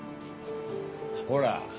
ほら